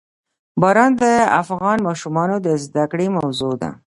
باران د افغان ماشومانو د زده کړې موضوع ده.